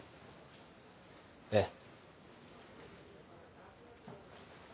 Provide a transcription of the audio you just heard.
ええ。